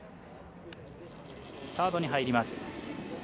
サードに入ります。